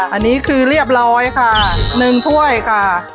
อันนี้คือเรียบร้อยค่ะ๑ถ้วยค่ะ